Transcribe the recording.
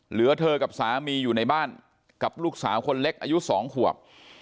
เหลือเธอกับสามีอยู่ในบ้านกับลูกสาวคนเล็กอายุ๒ขวบ